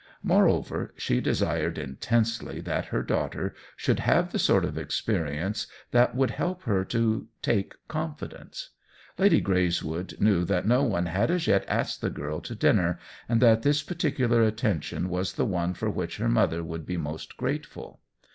Moreover, she desired in tensely that her daughter should have the sort of experience that would help her to take confidence. Lady Greyswood knew that no one had as yet asked the girl to dinner, and that this particular attention was the one for which her mother would be most grateful.